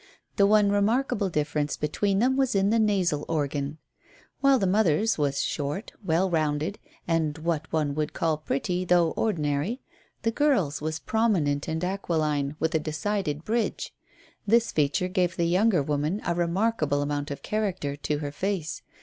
The one remarkable difference between them was in the nasal organ. While the mother's was short, well rounded, and what one would call pretty though ordinary, the girl's was prominent and aquiline with a decided bridge. This feature gave the younger woman a remarkable amount of character to her face.